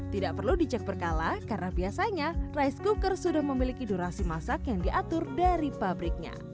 tidak perlu dicek berkala karena biasanya rice cooker sudah memiliki durasi masak yang diatur dari pabriknya